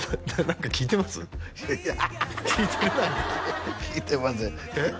何か聞いてませんえっ？